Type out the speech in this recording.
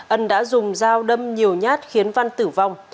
ân đã dùng dao đâm nhiều nhát khiến văn tử vong